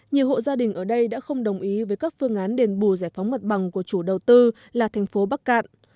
nhiều hộ gia đình ở đây đã không đồng ý với các phương án đền bù giải phóng mặt bằng của chủ đầu tư là thành phố bắc cạn